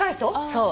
そう。